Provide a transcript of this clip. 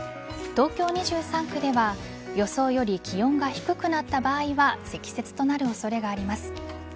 東京２３区では予想より気温が低くなった場合は積雪となる恐れがあります。